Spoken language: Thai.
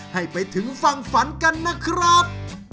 ให้ไปถึงฝั่งฝันกันนะครับ